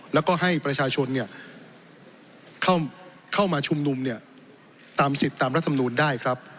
แล้วก็ให้ประชาชนเข้ามาชุมนุมตามสิทธิ์ตามรัฐมนูลได้ครับ